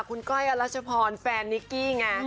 คุณก้อยอรัชพรแฟนนิกกี้ไง